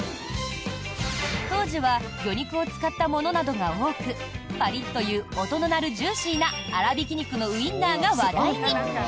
当時は魚肉を使ったものなどが多くパリッという音の鳴るジューシーな粗びき肉のウインナーが話題に。